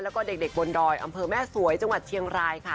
แล้วก็เด็กบนดอยอำเภอแม่สวยจังหวัดเชียงรายค่ะ